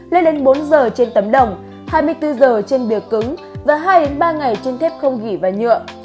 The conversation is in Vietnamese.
lên đến bốn giờ trên tấm đồng hai mươi bốn giờ trên bìa cứng và hai ba ngày trên thép không ghi và nhựa